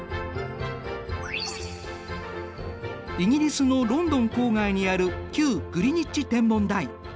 イギリスのロンドン郊外にある旧グリニッジ天文台。